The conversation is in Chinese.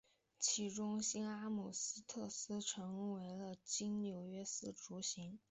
其中的新阿姆斯特丹成为今日纽约市的雏形。